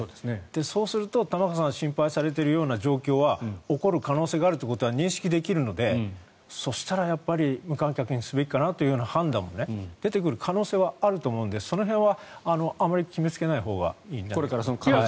そうすると、玉川さんが心配されているような状況は起こる可能性は認識できるのでそしたらやっぱり、無観客にするべきかなという判断も出てくる可能性はあるのでその辺はあまり決めつけないほうがいいんじゃないかと。